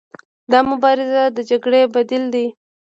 دا مبارزه د جګړې بدیل دی.